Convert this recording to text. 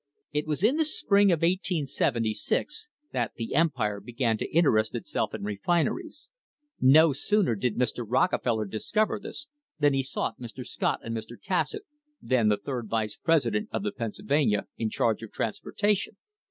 It was in the spring of 1876 that the Empire began to interest itself in refineries. No sooner did Mr. Rockefeller discover this than he sought Mr. Scott and Mr. Cassatt, then the third vice president of the Pennsylvania, in charge of transportation.